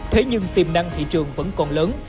thế nhưng tiềm năng thị trường vẫn còn lớn